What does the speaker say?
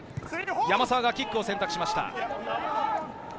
山沢がキックを選択しました。